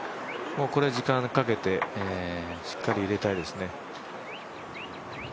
これは時間をかけてしっかり入れたいですね。